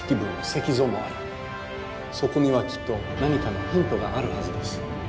そこにはきっと何かのヒントがあるはずです。